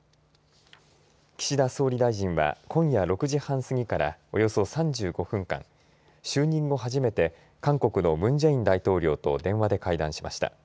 岸田総理大臣は今夜６時半すぎからおよそ３５分間就任後初めて韓国のムン・ジェイン大統領と電話で会談しました。